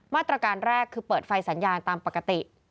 มาตรการแรกคือเปิดไฟสัญญาณตามปกติ